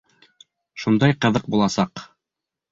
Шундай ҡыҙыҡ буласаҡ!